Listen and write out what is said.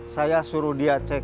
saya suruh dia cek